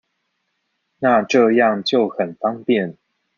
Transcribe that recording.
那這樣就很方便